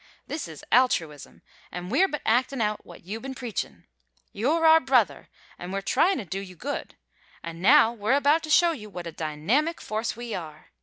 This is altruism, an' we're but actin' out what you been preachin'. You're our brother an' we're tryin' to do you good; an' now we're about to show you what a dynamic force we are.